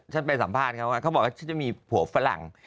ไปสัมภาษณ์เขาเขาบอกว่าฉันจะมีผัวฝรั่ง